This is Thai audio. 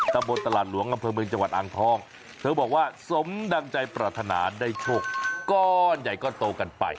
บนตลาดหลวงอำเภอเมืองจังหวัดอ่างทองเธอบอกว่าสมดังใจปรารถนาได้โชคก้อนใหญ่ก้อนโตกันไป